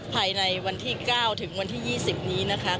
ภายในวันที่๙ถึงวันที่๒๐นี้นะคะ